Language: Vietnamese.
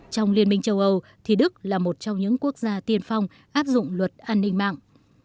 trong liên minh châu âu thì đức là một trong những quốc gia tiên phong áp dụng luật an ninh mạng